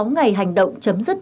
một mươi sáu ngày hành động chấm dứt